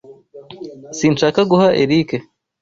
Sinshaka guha Eric.